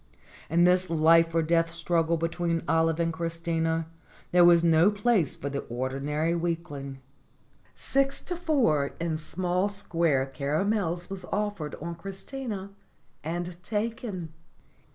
In this life or death struggle between Olive and Christina there was no place for the ordinary weakling. Six to four in small square caramels was offered on Christina and taken.